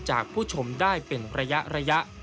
ผู้ชมได้เป็นระยะ